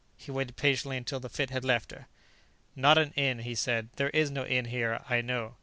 He waited patiently until the fit had left her. "Not an inn," he said. "There is no inn here, I know.